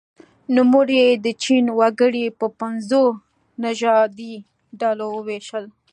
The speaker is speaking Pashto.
نوموړي د چین وګړي په پنځو نژادي ډلو وویشل.